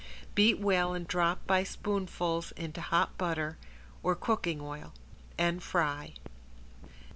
Beat well and drop by spoonfuls into hot butter or cooking oil and fry.